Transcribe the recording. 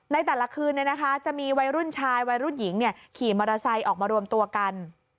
ในแต่ละคืนจะมีวัยรุ่นชายวัยรุ่นหญิงขี่มอเตอร์ไซค์ออกมารวมตัวกัน